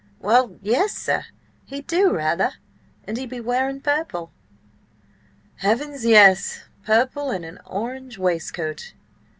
"Well yes, sir. He do rather. And he be wearing purple." "Heavens, yes! Purple, and an orange waistcoat!"